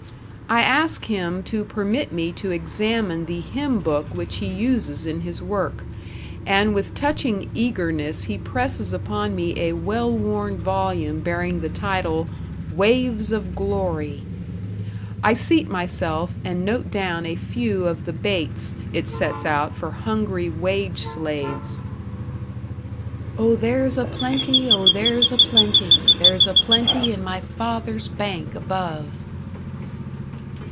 I ask him to permit me to examine the hymn book which he uses in his work, and with touching eagerness he presses upon me a well worn volume bearing the title "Waves of Glory". I seat myself and note down a few of the baits it sets out for hungry wage slaves: O, there's a plenty, O, there's a plenty, There's a plenty in my Father's bank above!